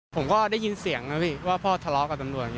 ผมก็ได้ยินเสียงนะพี่ว่าพ่อทะเลาะกับตำรวจ